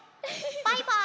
バイバーイ！